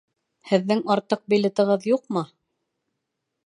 Һеҙҙең артыҡ билетығыҙ юҡмы?